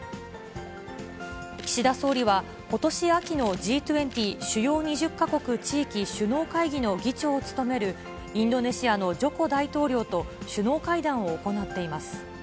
岸田総理は、ことし秋のＧ２０・主要２０か国・地域首脳会議の議長を務める、インドネシアのジョコ大統領と、首脳会談を行っています。